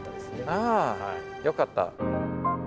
ああよかった。